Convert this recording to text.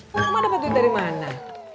kok mah dapet duit dari mana